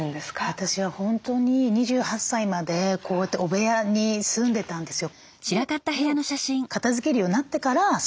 私は本当に２８歳までこうやって汚部屋に住んでたんですよ。